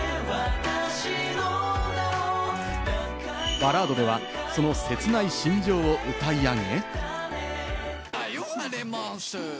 バラードでは、その切ない心情を歌い上げ。